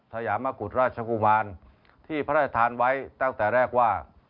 ยามกุฎราชกุมารที่พระราชทานไว้ตั้งแต่แรกว่า